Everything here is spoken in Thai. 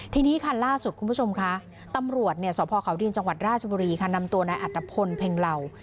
ทีนี้ค่ะล่าสุดคุณผู้ชมคะตำรวจสพเขาดินจังหวัดราชบุรีค่ะนำตัวนายอัตภพลเพ็งเหล่า